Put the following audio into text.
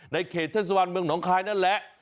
ในเขตเทศบาลเมืองหนองคายนั่นแหละ